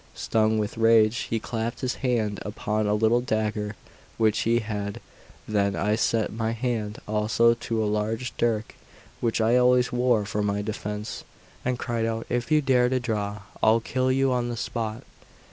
Stung with rage, he clapped his hand upon a little dagger which he had; then I set my hand also to a large dirk which I always wore for my defence, and cried out: "If you dare to draw, I'll kill you on the spot."